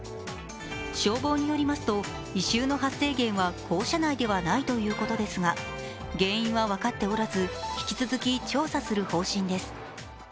消防によりますと異臭の発生源は校舎内ではないということですが原因は分かっておらず引き続き調査する方針です。